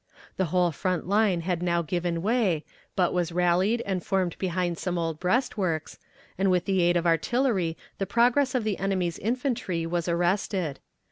The whole front line had now given way, but was rallied and formed behind some old breastworks, and with the aid of artillery the progress of the enemy's infantry was arrested.